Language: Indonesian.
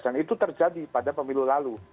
dan itu terjadi pada pemilu lalu